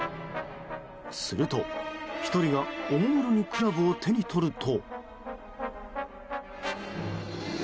すると、１人がおもむろにクラブを手に取ると。